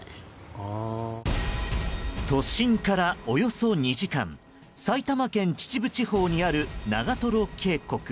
都心からおよそ２時間埼玉県秩父地方にある長瀞渓谷。